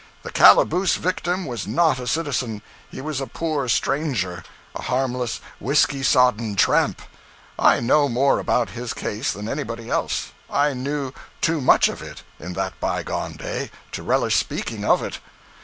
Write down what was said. The calaboose victim was not a citizen; he was a poor stranger, a harmless whiskey sodden tramp. I know more about his case than anybody else; I knew too much of it, in that bygone day, to relish speaking of it.